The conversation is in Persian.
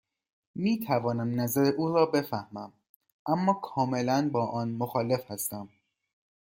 می توانم نظر او را بفهمم، اما کاملا با آن مخالف هستم.